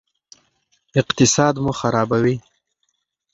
اقتصاد مو خرابوي.